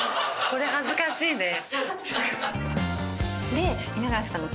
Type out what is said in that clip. これ恥ずかしいね。